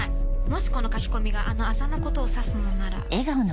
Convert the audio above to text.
もしこの書き込みがあのアザのことを指すのなら。